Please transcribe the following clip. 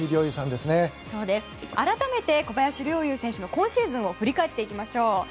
改めて、小林陵侑選手の今シーズンを振り返っていきましょう。